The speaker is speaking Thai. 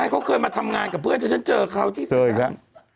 เขาเคยมาทำงานกับเพื่อนแต่ฉันเจอเขาที่สุดสุด